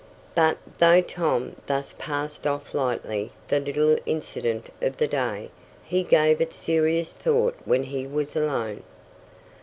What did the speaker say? But, though Tom thus passed off lightly the little incident of the day, he gave it serious thought when he was alone.